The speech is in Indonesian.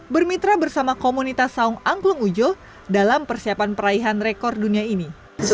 bermitra bersama komunitas saung angklung ujo dalam persiapan peraihan rekor dunia ini